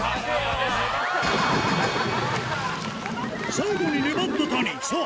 最後に粘った谷さぁ